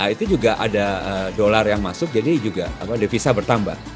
itu juga ada dolar yang masuk jadi juga devisa bertambah